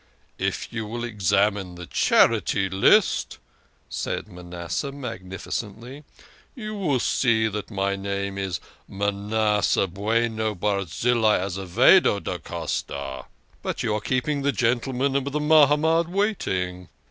" If you will examine the Charity List," said Manasseh magnificently, "you will see that my name is Manasseh Bueno Barzillai Azevedo da Costa. But you are keeping the gentlemen of the Mahamad waiting."